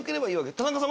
田中さん。